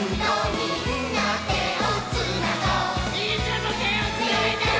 みんなもてをつないでよ！